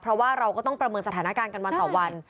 เพราะว่าเราก็ต้องประเมินสถานการณ์กันวันต่อวัน